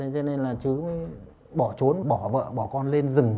cho nên là chứ bỏ trốn bỏ vợ bỏ con lên rừng